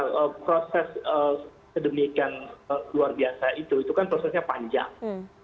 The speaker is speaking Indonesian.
kalau proses sedemikian luar biasa itu itu kan prosesnya panjang